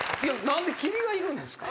何で君がいるんですか？